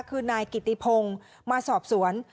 คือนายกิติพงศ์มาสอบสวน